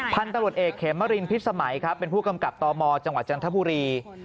พันธุ์ตำรวจเอกเขมรินพิษสมัยครับเป็นผู้กำกับตมจังหวัดจันทบุรี